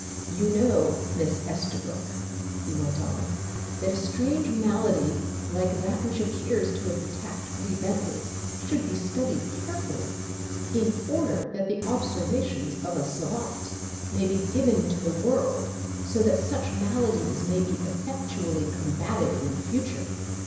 "You know, Miss Estabrook," he went on, "that a strange malady like that which appears to have attacked Lee Bentley should be studied carefully, in order that the observations of a savant may be given to the world so that such maladies may be effectually combatted in future.